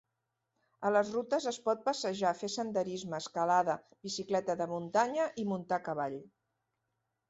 A les rutes es pot passejar, fer senderisme, escalada, bicicleta de muntanya i muntar a cavall.